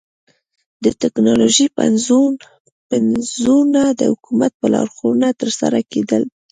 د ټکنالوژۍ پنځونه د حکومت په لارښوونه ترسره کېدل.